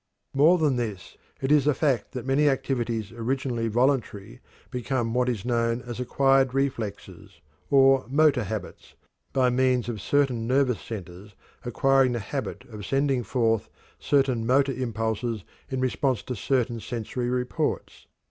More than this, it is a fact that many activities originally voluntary become what is known as "acquired reflexes," or "motor habits," by means of certain nervous centers acquiring the habit of sending forth certain motor impulses in response to certain sensory reports.